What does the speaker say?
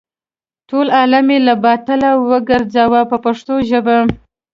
ټول عالم یې له باطله وګرځاوه په پښتو ژبه.